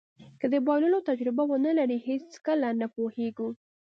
که د بایللو تجربه ونلرئ هېڅکله نه پوهېږو.